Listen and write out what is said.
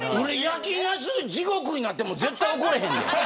焼きなす地獄になっても絶対怒らへんで。